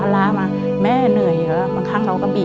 ลูก